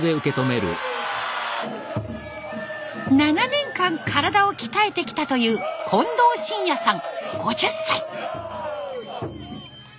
７年間体を鍛えてきたという近藤信也さん５０歳。